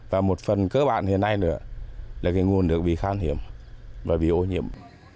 và một phần cơ bản hiện nay nữa là cái nguồn nước bị khan hiếm và bị ô nhiễm